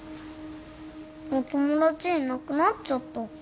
お友達いなくなっちゃった。